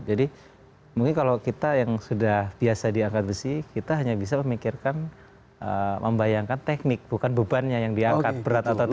jadi mungkin kalau kita yang sudah biasa diangkat besi kita hanya bisa memikirkan membayangkan teknik bukan bebannya yang diangkat berat atau tidak